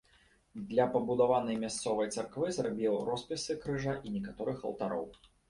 Для пабудаванай мясцовай царквы зрабіў роспісы крыжа і некаторых алтароў.